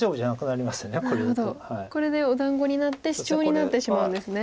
なるほどこれでお団子になってシチョウになってしまうんですね。